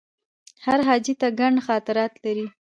هر حاجي ته ګڼ خاطرات لري.